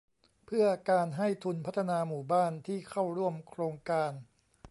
เพื่อการให้ทุนพัฒนาหมู่บ้านที่เข้าร่วมโครงการ